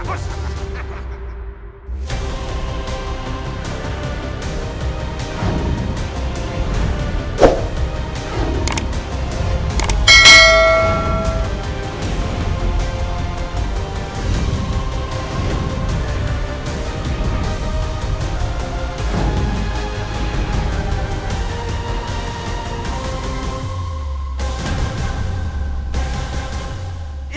ilmu sihir yang sangater questi